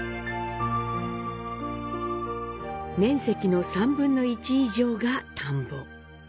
面積の３分の１以上が田んぼ。